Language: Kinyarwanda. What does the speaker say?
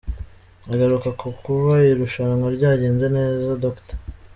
Agaruka ku kuba irushanwa ryagenze neza , Dr.